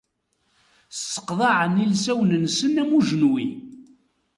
Sseqḍaɛen ilsawen-nsen am ujenwi.